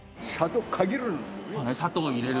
砂糖入れる。